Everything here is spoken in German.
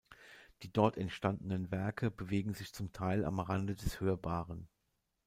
Die dort entstandenen Werke bewegen sich zum Teil am Rande des Hörbaren.